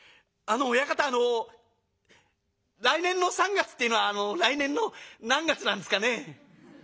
あの来年の三月っていうのは来年の何月なんですかね？」。